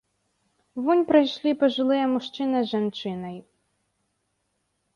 Вунь прайшлі пажылыя мужчына з жанчынай.